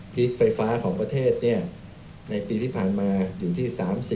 ไฟฟ้าของประเทศในปีที่ผ่านมาอยู่ที่๓๐